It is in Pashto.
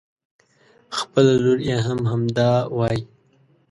خپله لور يې هم همدا وايي.